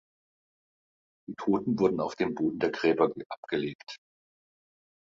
Die Toten wurden auf dem Boden der Gräber abgelegt.